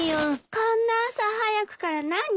こんな朝早くから何？